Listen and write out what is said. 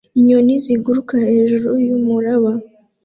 Inyoni ziguruka hejuru yumuraba